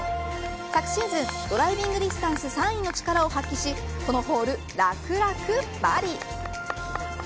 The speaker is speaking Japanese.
昨シーズンドライビングディスタンス３位の力を発揮しこのホール、楽々バーディー。